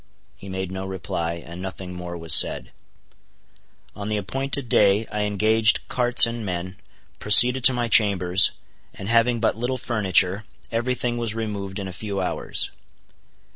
He made no reply, and nothing more was said. On the appointed day I engaged carts and men, proceeded to my chambers, and having but little furniture, every thing was removed in a few hours.